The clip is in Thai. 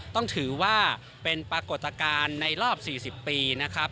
ต้องถือว่าเป็นปรากฏการณ์ในรอบ๔๐ปีนะครับ